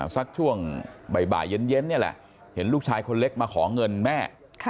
สักช่วงบ่ายเย็นนี่แหละเห็นลูกชายคนเล็กมาขอเงินแม่